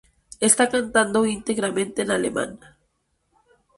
Está cantado íntegramente en alemán.